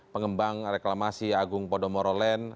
pengembang reklamasi agung podomoro land